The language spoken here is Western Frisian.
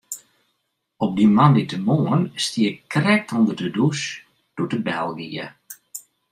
Op dy moandeitemoarn stie ik krekt ûnder de dûs doe't de bel gie.